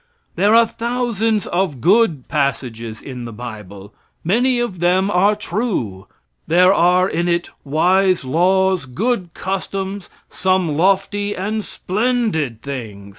There are thousands of good passages in the bible. Many of them are true. There are in it wise laws, good customs, some lofty and splendid things.